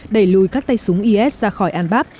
đẩy lùi các tay súng is ra khỏi al bab